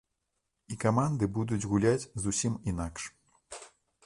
І каманды будуць гуляць зусім інакш.